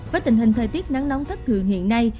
với tình hình thời tiết nắng nóng thất thường hiện nay